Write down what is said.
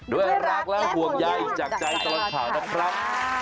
ด้วยรักและห่วงใยจากใจตลอดข่าวนะครับ